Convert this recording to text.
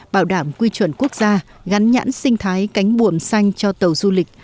bảo đảm quy chuẩn quốc gia gắn nhãn sinh thái cánh buồm xanh cho tàu du lịch